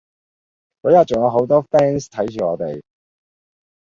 嗰日仲有好多 fans 睇住我哋